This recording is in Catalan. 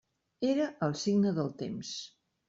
Era el signe del temps.